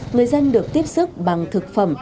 người ta đang sửa trị ác rất là nguy hiểm